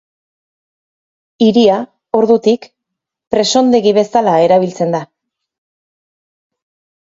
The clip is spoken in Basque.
Hiria, ordutik, presondegi bezala erabiltzen da.